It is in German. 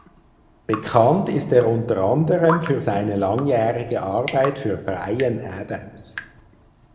Bekannt ist er unter anderem für seine langjährige Arbeit für Bryan Adams.